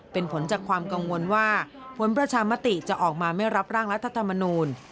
เป็นผลจากความกังวลว่าผลประชามติจะออกมาไม่รับร่างรัฐธรรมนูล